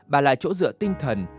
bà lại chỗ dựa tinh thần